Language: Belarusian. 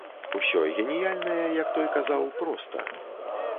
Усё геніяльнае, як той казаў, проста.